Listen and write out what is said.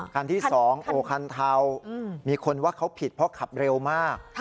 คันที่๒คันเทามีคนว่าเขาผิดเพราะขับเร็วมาก